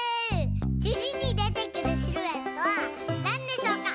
つぎにでてくるシルエットはなんでしょうか？